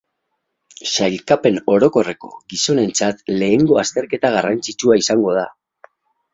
Sailkapen orokorreko gizonentzat lehenengo azterketa garrantzitsua izango da.